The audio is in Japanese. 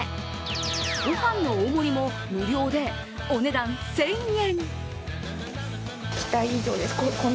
ごはんの大盛りも無料で、お値段１０００円。